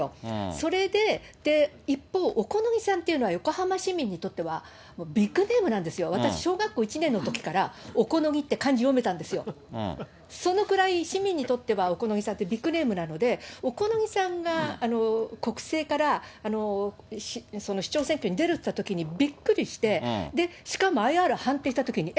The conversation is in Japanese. それで、一方、小此木さんっていうのは、横浜市民にとっては、ビッグネームなんですよ、私、小学校１年のときから、小此木っていう漢字読めたんですよ、そのくらい、市民にとっては小此木さんってビッグネームなので、小此木さんが国政から市長選挙に出るって言ったときにびっくりして、しかもＩＲ反対したときに、え？